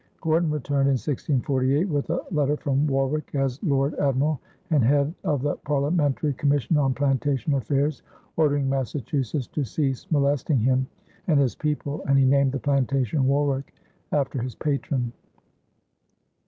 Gorton returned in 1648 with a letter from Warwick, as Lord Admiral and head of the parliamentary commission on plantation affairs, ordering Massachusetts to cease molesting him and his people, and he named the plantation Warwick after his patron.